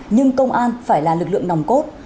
nhưng công an phải là lực lượng nòng cốt